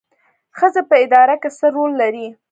ښځې په اداره کې څه رول لري؟